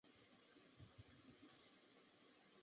机翼结构是由内四角异型管组成。